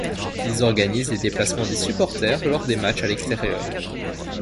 Ils organisent les déplacements des supporters lors des matchs à l'extérieur.